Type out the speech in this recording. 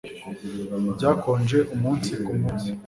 Byakonje umunsi kumunsi